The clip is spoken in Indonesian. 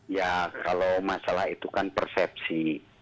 ya kalau masalah itu kan persepsi